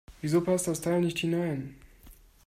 Wieso passt das Teil nicht hinein?